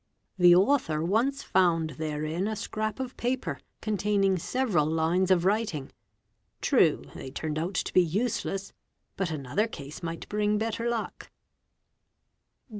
The author once found therein a scrap of paper Ss aL eX or taining several lines of writing; true they turned out to be useless, ut another case might bring better luck.